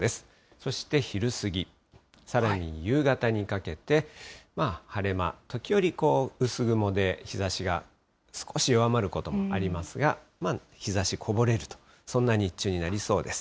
そして昼過ぎ、さらに夕方にかけて、晴れ間、時折、薄雲で日ざしが少し弱まることもありますが、日ざしこぼれると、そんな日中になりそうです。